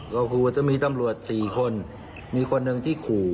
ก็คือว่าจะมีตำรวจ๔คนมีคนหนึ่งที่ขู่